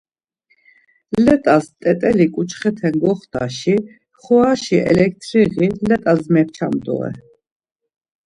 Let̆as t̆et̆eli ǩuçxete goxtasi xuraşi eletriği let̆as meçam dore.